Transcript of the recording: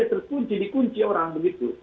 terkunci dikunci orang begitu